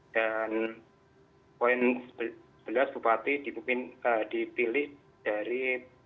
dan poin sebelas bupati dipilih dari